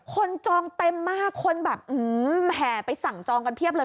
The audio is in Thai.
จองเต็มมากคนแบบแห่ไปสั่งจองกันเพียบเลย